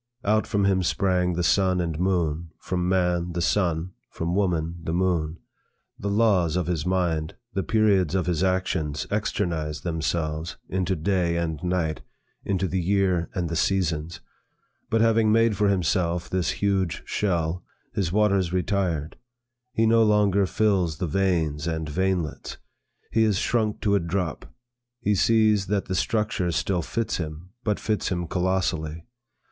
Out from him sprang the sun and moon; from man, the sun; from woman, the moon. The laws of his mind, the periods of his actions externized themselves into day and night, into the year and the seasons. But, having made for himself this huge shell, his waters retired; he no longer fills the veins and veinlets; he is shrunk to a drop. He sees, that the structure still fits him, but fits him colossally.